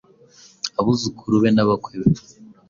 abuzukuru be n’abakwe be,